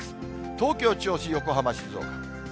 東京、銚子、横浜、静岡。